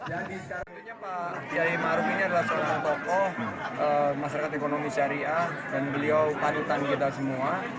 jadi saat ini pak kiai maruf ini adalah seorang tokoh masyarakat ekonomi syariah dan beliau panutan kita semua